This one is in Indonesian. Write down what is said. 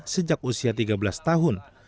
sejak usia tiga belas tahun